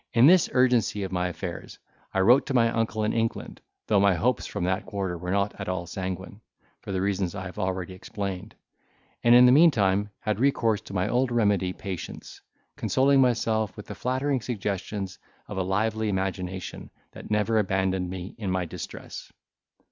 In this urgency of my affairs, I wrote to my uncle in England, though my hopes from that quarter were not at all sanguine, for the reasons I have already explained; and in the meantime had recourse to my old remedy patience, consoling myself with the flattering suggestions of a lively imagination, that never abandoned me in my distress.